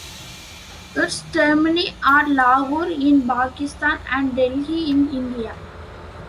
Its termini are Lahore in Pakistan and Delhi in India.